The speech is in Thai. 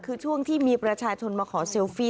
คือช่วงที่มีประชาชนมาขอเซลฟี่